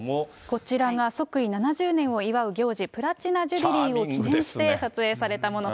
こちらが即位７０年を祝う行事、プラチナ・ジュビリーを記念して撮影されたもの。